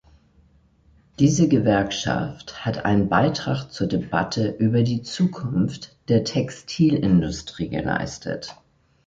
Diese Gewerkschaft hat einen Beitrag zur Debatte über die Zukunft der Textilindustrie geleistet.